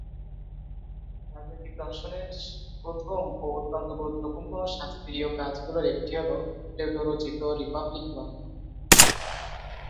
রাজনৈতিক দর্শনের প্রথম ও অত্যন্ত গুরুত্বপূর্ণ শাস্ত্রীয় কাজগুলির একটি হলো প্লেটো রচিত "রিপাবলিক" গ্রন্থ।